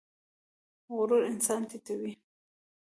غرور انسان ټیټوي